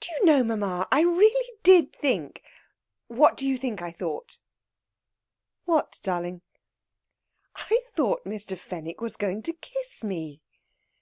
"Do you know, mamma, I really did think what do you think I thought?" "What, darling?" "I thought Mr. Fenwick was going to kiss me!"